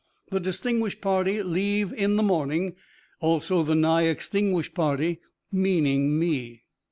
The distinguished party leave in the morning, also the nigh extinguished party (meaning me).